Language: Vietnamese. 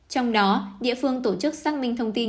trong đó địa phương tổ chức xác minh thông tin